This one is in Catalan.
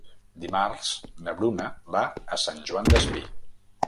Dimarts na Bruna va a Sant Joan Despí.